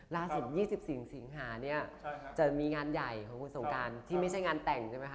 ล่าสุด๒๔สิงหาเนี่ยจะมีงานใหญ่ของคุณสงการที่ไม่ใช่งานแต่งใช่ไหมคะ